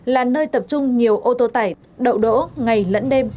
là nơi tập trung nhiều ô tô tải đậu đỗ ngày lẫn đêm